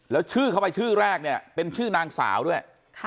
แล้วชื่อเข้าไปชื่อแรกเนี่ยเป็นชื่อนางสาวด้วย